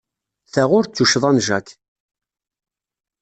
Ta ur d tuccḍa n Jack.